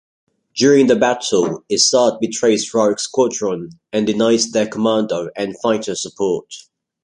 During the battle, Isard betrays Rogue Squadron and denies their commando and fighter support.